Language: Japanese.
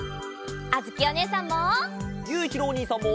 あづきおねえさんも！